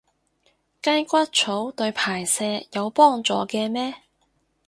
雞骨草對排泄有幫助嘅咩？